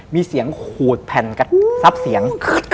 มีเสียงขูดแผ่นซับเสียง